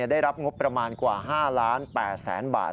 ได้รับงบประมาณกว่า๕๘๐๐๐บาท